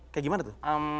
kayak gimana tuh